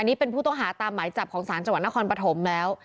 นี่เป็นผู้ต้องหาตามหมายจับของศาลจังหวัดนครปฐมแล้ว